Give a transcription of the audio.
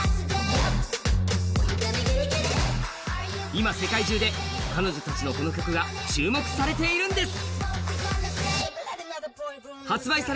今、世界中で彼女たちのこの曲が注目されているんです。